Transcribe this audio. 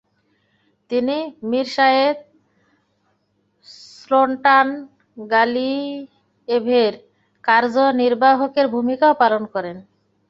তিনি মিরসায়েত সোল্টানগালিয়েভের কার্যনির্বাহকের ভূমিকাও পালন করেন।